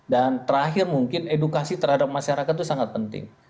dan terakhir mungkin edukasi terhadap masyarakat itu sangat penting